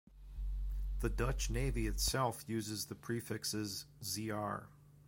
The Dutch navy itself uses the prefixes Zr.